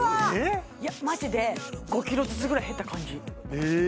いやマジで５ｋｇずつぐらい減った感じ